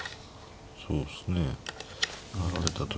そうっすね成られた時。